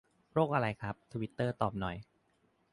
โรคอะไรครับ ทวิตเตอร์ตอบหน่อย